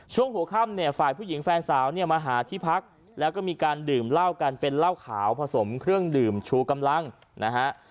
ช่วงหัวค่ำเนี่ยฝ่ายผู้หญิงแฟนสาวเนี่ยมาหาที่พักแล้วก็มีการดื่มเหล้ากันเป็นเหล้าขาวผสมเครื่องดื่มชูกำลังนะฮะ